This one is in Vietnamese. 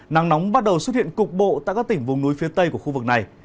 nắng nóng bắt đầu xuất hiện cục bộ tại các tỉnh vùng núi phía tây của khu vực này